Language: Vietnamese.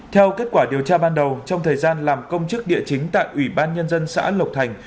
theo kết quả điều tra ban đầu trong thời gian làm công chức địa chính tại ủy ban nhân dân xã lộc thành